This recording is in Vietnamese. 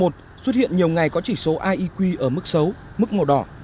tháng một mươi một xuất hiện nhiều ngày có chỉ số iq ở mức xấu mức màu đỏ